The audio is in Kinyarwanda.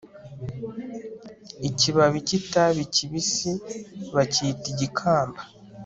ikibabi cy'itabi kibisi bacyita igikamba